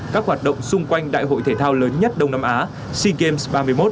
các hoạt động xung quanh đại hội thể thao lớn nhất đông nam á sea games ba mươi một